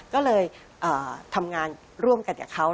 ก็เลยทำงานร่วมกันกับเขา